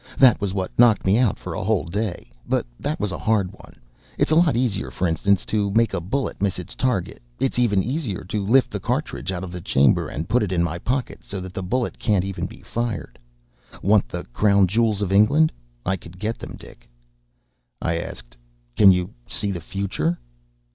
That was what knocked me out for a whole day. But that was a hard one; it's a lot easier, for instance, to make a bullet miss its target. It's even easier to lift the cartridge out of the chamber and put it in my pocket, so that the bullet can't even be fired. Want the Crown Jewels of England? I could get them, Dick!" I asked, "Can you see the future?"